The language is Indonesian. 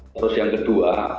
terus yang kedua